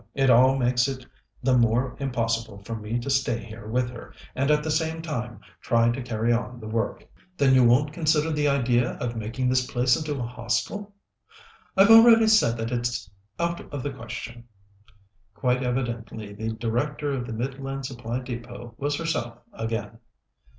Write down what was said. It all makes it the more impossible for me to stay here with her and at the same time try to carry on the work." "Then you won't consider the idea of making this place into a hostel?" "I've already said that it's out of the question." Quite evidently, the Director of the Midland Supply Depôt was herself again.